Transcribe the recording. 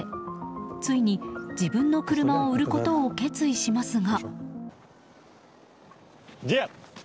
ついに自分の車を売ることを決意しますが。